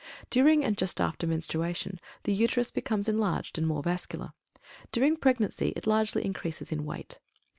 During and just after menstruation, the Uterus becomes enlarged and more vascular. During pregnancy, it largely increases in weight.